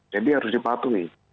jadi harus dipatuhi